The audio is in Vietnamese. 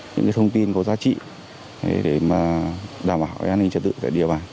những cái thông tin có giá trị để mà đảm bảo an ninh trật tự tại địa bàn